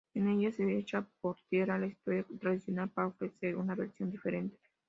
En ella se echa por tierra la historia tradicional para ofrecer una versión diferente.